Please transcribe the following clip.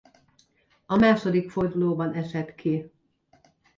A második fordulóban esett ki.